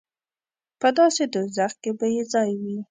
په داسې دوزخ کې به یې ځای وي.